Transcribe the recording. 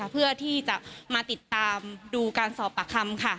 เพื่อที่จะมาติดตามดูการสอบปากคำค่ะ